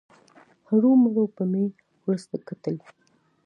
هرومرو به مې ورسره کتل.